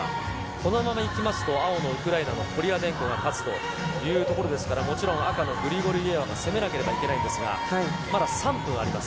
このままいきますと、青のウクライナのコリアデンコが勝つというところですから、もちろん、赤のグリゴルイエワが攻めなければいけないんですが、まだ３分あります。